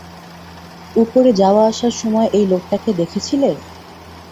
উপরে যাওয়া আসার সময় এই লোকটাকে দেখেছিলে?